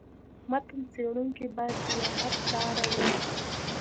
متن څېړونکی باید دیانت داره وي.